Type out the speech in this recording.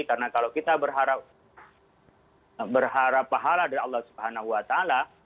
karena kalau kita berharap pahala dari allah subhanahu wa ta'ala